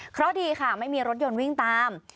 เพราะดีค่ะไม่มีรถยนต์วิ่งตาม